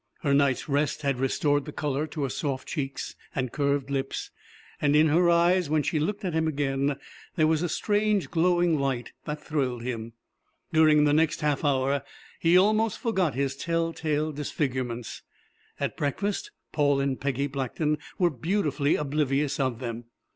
Her night's rest had restored the colour to her soft cheeks and curved lips; and in her eyes, when she looked at him again, there was a strange, glowing light that thrilled him. During the next half hour he almost forgot his telltale disfigurements. At breakfast Paul and Peggy Blackton were beautifully oblivious of them.